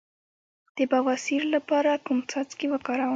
د بواسیر لپاره کوم څاڅکي وکاروم؟